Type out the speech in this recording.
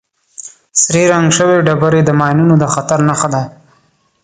سرې رنګ شوې ډبرې د ماینونو د خطر نښه ده.